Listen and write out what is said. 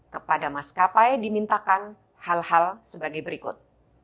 kepada mas kapai dimintakan hal hal sebagai berikut